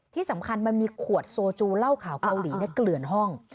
ที่สำคัญมันมีขวดโซจูเหล้าขาวเกาหลีในเกลือนห้อง